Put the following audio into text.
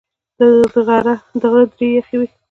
د غره درې یخي وې .